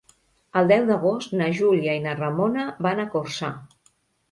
El deu d'agost na Júlia i na Ramona van a Corçà.